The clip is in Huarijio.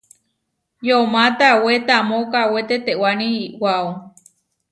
Yomá tawé taamó kawé tetewáni iʼwáo.